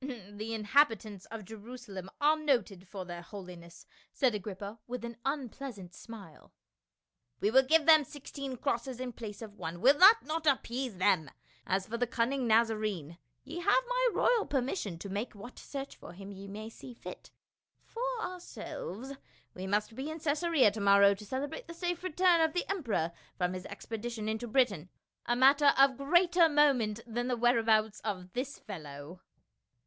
" The inhabitants of Jerusalem are noted for their holiness," said Agrippa, with an unpleasant smile. "We will give them sixteen crosses in place of one; will not that appease them ? As for the cunning Na zarene, ye have my royal permission to make what search for him ye may see fit ; for ourselves we must RETRIBUTION. 263 be in Caesarea to morrow to celebrate the safe return of the emperor from his expedition into Britain, a matter of greater moment than the whereabouts of this fellow."